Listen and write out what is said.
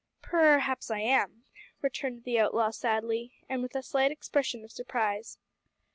"Perhaps I am," returned the outlaw sadly, and with a slight expression of surprise.